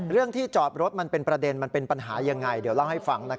ที่จอดรถมันเป็นประเด็นมันเป็นปัญหายังไงเดี๋ยวเล่าให้ฟัง